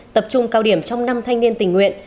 tập trung cao điểm trong năm thanh niên tình nguyện